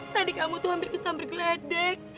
tadi kamu tuh hampir kesambar geledek